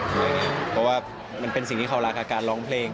เพราะว่ามันเป็นสิ่งที่เขารักกับการร้องเพลง